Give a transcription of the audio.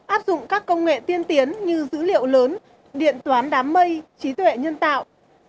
áp dụng các công nghệ tiên tiến như dữ liệu lớn điện toán đám mây trí tuệ nhân tạo